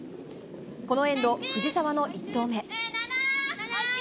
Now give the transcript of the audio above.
このエンド、藤澤の１投目。